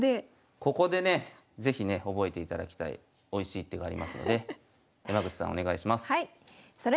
ここでね是非ね覚えていただきたいおいしい一手がありますので山口さんお願いします。